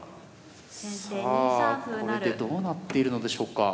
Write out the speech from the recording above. さあこれ一体どうなっているのでしょうか。